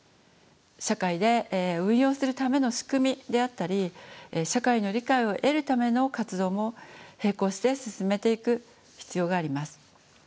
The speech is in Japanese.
社会で運用するための仕組みであったり社会の理解を得るための活動も並行して進めていく必要があります。